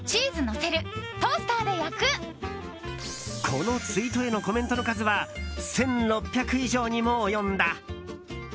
このツイートへのコメントの数は１６００以上にも及んだ。